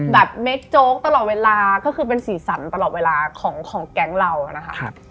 เมคโจ๊กตลอดเวลาก็คือเป็นสีสันตลอดเวลาของแก๊งเรานะคะ